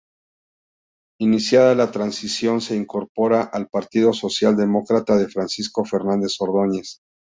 Iniciada la Transición, se incorpora al Partido Social-Demócrata de Francisco Fernández Ordóñez.